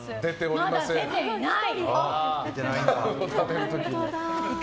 まだ出ていない。